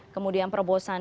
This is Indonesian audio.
kemudian prabowo sandi